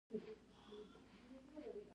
موټر خراب شي، خلک پرېشانه شي.